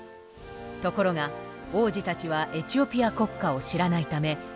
ところが王子たちはエチオピア国歌を知らないため無反応。